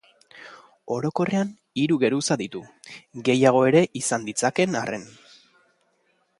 Orokorrean hiru geruza ditu, gehiago ere izan ditzakeen arren.